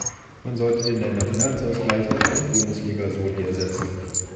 Man sollte den Länderfinanzausgleich durch einen Bundesliga-Soli ersetzen.